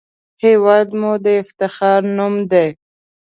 هېواد مو د افتخار نوم دی